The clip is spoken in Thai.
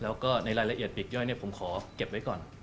แล้วก็ในรายละเอียดปีกย่อยผมขอเก็บไว้ก่อน